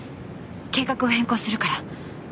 計画を変更するから。